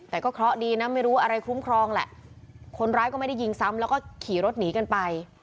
แต่ก็เคราะห์ดีนะไม่รู้อะไรคุ้มครองแหละคนร้ายก็ไม่ได้ยิงซ้ำแล้วก็ขี่รถหนีกันไป